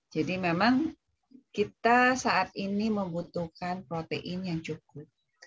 jadi memang kita saat ini membutuhkan protein yang cukup